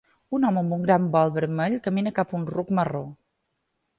Un home amb un gran bol vermell camina cap a un ruc marró.